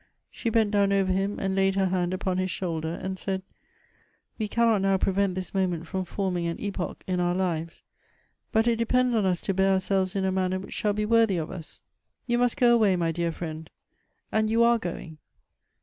She bent down over him, and laid her hand upon his shoulder, and said, " We cannot now prevent this moment from forming an epoch in our lives ; but it depends on us to bear ourselves in a manner which shall be worthy of us. You must go away, my dear friend ; and you are going.